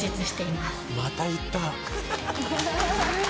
また言った。